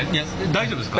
大丈夫ですか？